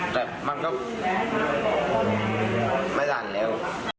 แต่มันก็ไม่หลั่นแล้ว